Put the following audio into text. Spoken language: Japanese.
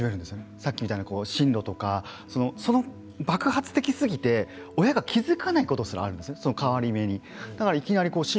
さっきみたいに進路とか爆発過ぎて親が気付かないことすらあるんですね、その変わり目に。